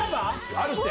あるって！